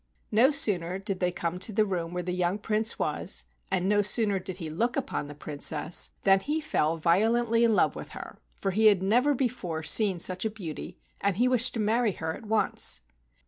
No sooner did they come to the room where the young Prince was, and no sooner did he look upon the Princess, than he fell violently in love with her, for never before had he seen such a beauty, and he wished to marry her at once.